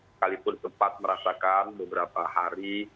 sekalipun sempat merasakan beberapa hari